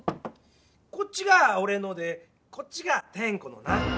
こっちがおれのでこっちがテンコのな！